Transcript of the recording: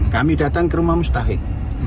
kami datang ke rumah mustahik